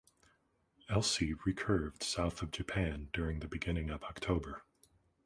Elsie recurved south of Japan during the beginning of October.